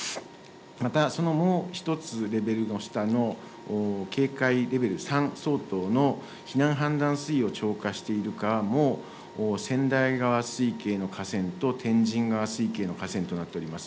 またその１つ、レベルの下の警戒レベル３相当の避難氾濫水位を超過している川も、千代川水系の河川と天神川水系の河川となっております。